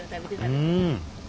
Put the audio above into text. うん。